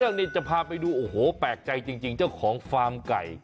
อันนี้จะพาไปดูแปลกใจจริงจริงของฟาร์มไก่